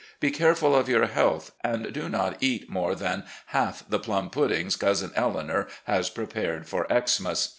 Be careful of your health, and do not eat more than half the pltun puddings Cousin Eleanor has prepared for Xmas.